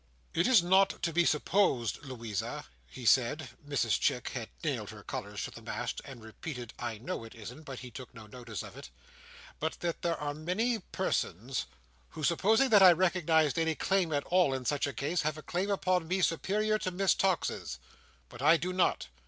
"It is not to be supposed, Louisa," he said (Mrs Chick had nailed her colours to the mast, and repeated "I know it isn't," but he took no notice of it), "but that there are many persons who, supposing that I recognised any claim at all in such a case, have a claim upon me superior to Miss Tox's. But I do not.